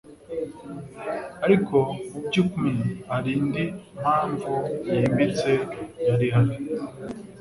Ariko mu by'ukm-i hari indi mpamvu yimbitse yari ihari.